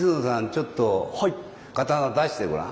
ちょっと刀出してごらん。